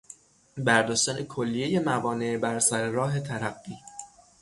برداشتن کلیهی موانع بر سر راه ترقی